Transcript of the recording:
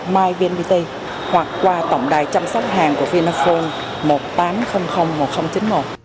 myvnpt hoặc qua tổng đài chăm sóc hàng của vinaphone một tám không không một không chín một